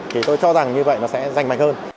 thì tôi cho rằng như vậy nó sẽ rành mạnh hơn